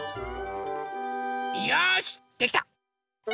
よしできた！